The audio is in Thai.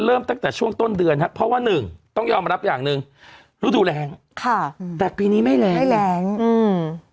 เริ่มตั้งแต่ช่วงต้นเดือนครับเพราะว่าหนึ่งต้องยอมรับอย่างหนึ่งฤดูแรงค่ะอืมแต่ปีนี้ไม่แรงไม่แรงอืม